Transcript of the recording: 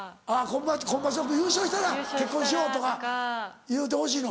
今場所優勝したら結婚しようとか言うてほしいの？